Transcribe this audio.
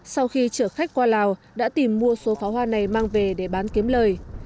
sau khi chở khách qua lào đã tìm mua số pháo hoa này mang về để bán kiếm lời